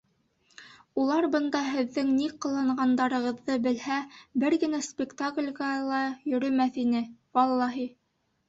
Улар бында һеҙҙең ни ҡыланғандарығыҙҙы белһә, бер генә спектаклгә ла йөрөмәҫ ине, валлаһи!